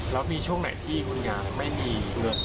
แล้วมีช่วงไหนที่คุณยายไม่มีเงิน